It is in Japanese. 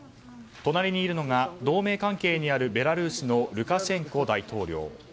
隣にいるのが同盟関係にあるベラルーシのルカシェンコ大統領。